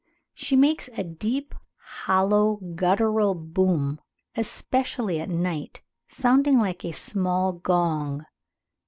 She makes a deep hollow guttural boom especially at night, sounding like a small gong.